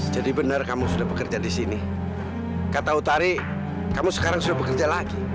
jadi benar kamu sudah bekerja di sini kata utari kamu sekarang sudah bekerja lagi